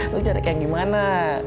lu cari kayak gimana